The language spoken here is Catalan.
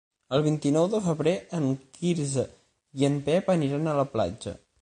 El vint-i-nou de febrer en Quirze i en Pep aniran a la platja.